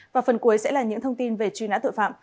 và phần cuối sẽ là những thông tin về truy nã tội phạm